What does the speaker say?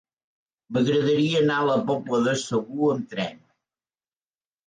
M'agradaria anar a la Pobla de Segur amb tren.